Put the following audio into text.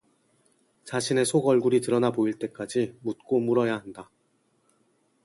자신의 속 얼굴이 드러나 보일 때까지 묻고 물어야 한다.